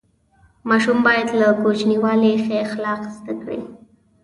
ماشوم باید له کوچنیوالي ښه اخلاق زده کړي.